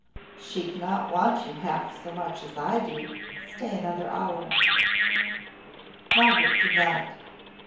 "She cannot want you half so much as I do. Stay another hour." Margaret could not.